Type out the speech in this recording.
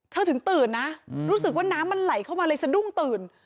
ถึงตื่นนะรู้สึกว่าน้ำมันไหลเข้ามาเลยสะดุ้งตื่น